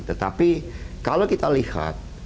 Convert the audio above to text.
tetapi kalau kita lihat